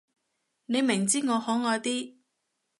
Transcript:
你明知我可愛啲